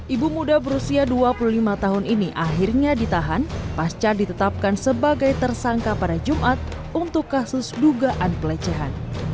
ibu muda berusia dua puluh lima tahun ini akhirnya ditahan pasca ditetapkan sebagai tersangka pada jumat untuk kasus dugaan pelecehan